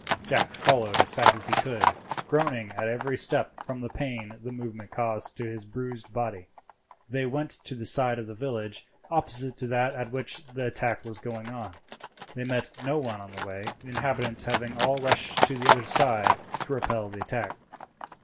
Jack followed as fast as he could, groaning at every step from the pain the movement caused to his bruised body. They went to the side of the village opposite to that at which the attack was going on. They met no one on the way, the inhabitants having all rushed to the other side to repel the attack.